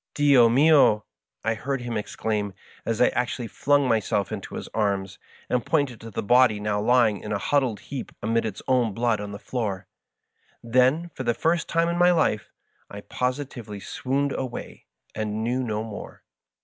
^' Dio mio I " I heard him exclaim, as I actually flung myself into his arms and pointed to the body now lying in a huddled heap amid its own blood on the floor. Then, for the first time in my life, I posi tively swooned away, and knew no more.